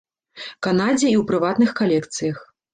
Канадзе і ў прыватных калекцыях.